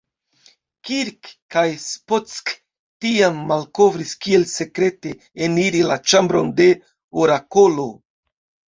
Kirk kaj Spock tiam malkovris kiel sekrete eniri la ĉambron de Orakolo.